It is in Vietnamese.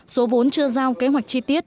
số vốn chưa giao kế hoạch chi tiết